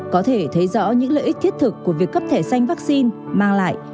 có thể thấy rõ những lợi ích thiết thực của việc cấp thẻ xanh vaccine mang lại